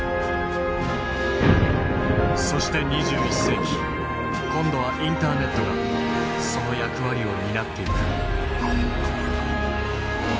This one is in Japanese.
そして２１世紀今度はインターネットがその役割を担っていく。